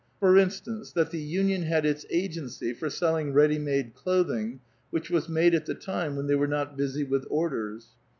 For instance, that the union had its agency for selling ready made cloth ing, which was made at the time when they were not busy with, orders.